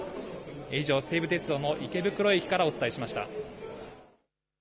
以上、西武鉄道の池袋駅からお伝えしました。